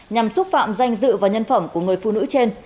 nhằm xúc phạm danh dự và nhân phẩm của người phụ nữ trên